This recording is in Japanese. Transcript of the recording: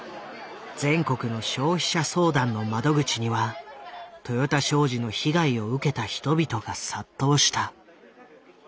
全国の消費者相談の窓口には豊田商事の被害を受けた人々が殺到した。